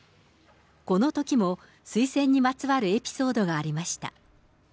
このときも、水仙にまつわるエピソードがありました。